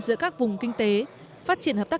giữa các vùng kinh tế phát triển hợp tác